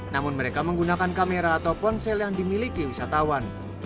namun mereka menggunakan kamera atau ponsel yang dimiliki wisatawan